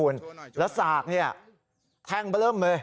แล้วสากนี่แทงไปเริ่มเลย